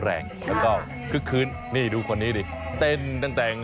แหมนี่ไงถึงว่าเป็นลมเป็นแรง